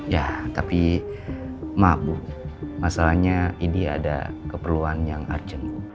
ya tapi maaf bu masalahnya ini ada keperluan yang urgent